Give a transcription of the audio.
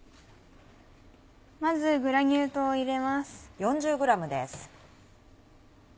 まずグラニュー糖を入れます。